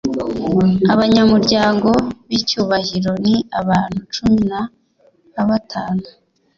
Abanyamuryango b’ icyubahiro ni abantu cumi na abatanu